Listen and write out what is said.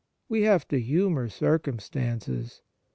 We have to humour circumstances.